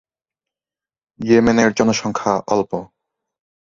ইয়েমেনের জনসংখ্যা অল্প।